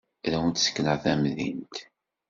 Ad awen-d-ssekneɣ tamdint.